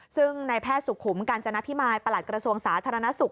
ซึ่งในแพทย์สุขุมกาญจนพิมายประหลัดกระทรวงสาธารณสุข